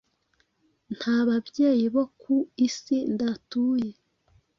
Nta babyeyi bo ku isi ndatuye: